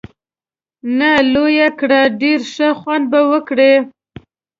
نه، لویه یې کړه، ډېر ښه خوند به وکړي.